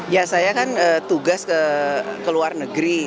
ya saya kan tugas ke luar negeri